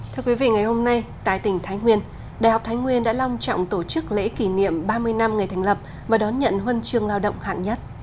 thưa quý vị ngày hôm nay tại tỉnh thái nguyên đại học thái nguyên đã long trọng tổ chức lễ kỷ niệm ba mươi năm ngày thành lập và đón nhận huân chương lao động hạng nhất